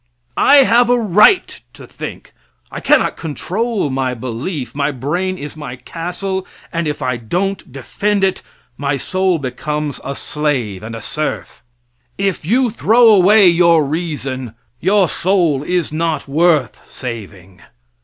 I have a right to think; I cannot control my belief; my brain is my castle, and if I don't defend it, my soul becomes a slave and a serf. If you throw away your reason, your soul is not worth saving.